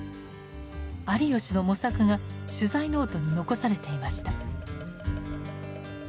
有吉の模索が取材ノートに残されていました。